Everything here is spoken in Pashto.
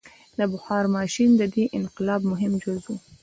• بخار ماشین د دې انقلاب مهم جز و.